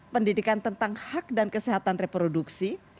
pendidikan tentang hak dan kesehatan reproduksi